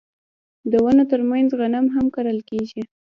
د ونو ترمنځ غنم هم کرل کیږي.